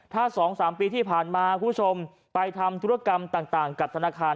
ถ้า๒๓ปีที่ผ่านมาคุณผู้ชมไปทำธุรกรรมต่างกับธนาคาร